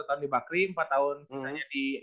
satu tahun di bakri empat tahun di